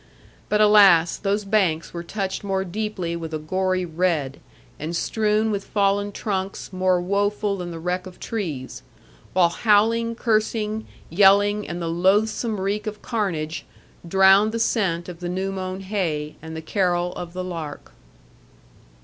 But alas! those banks were touched more deeply with a gory red, and strewn with fallen trunks, more woeful than the wreck of trees; while howling, cursing, yelling, and the loathsome reek of carnage, drowned the scent of the new mown hay, and the carol of the lark.